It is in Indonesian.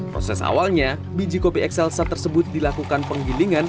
proses awalnya biji kopi ekselsat tersebut dilakukan penggilingan